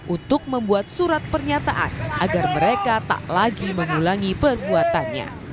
untuk membuat surat pernyataan agar mereka tak lagi mengulangi perbuatannya